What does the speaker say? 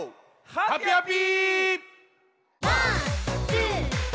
「ハピハピ」！